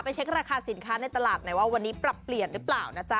เช็คราคาสินค้าในตลาดหน่อยว่าวันนี้ปรับเปลี่ยนหรือเปล่านะจ๊